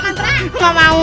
aku mau mandir